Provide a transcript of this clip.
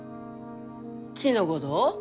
木のごどを？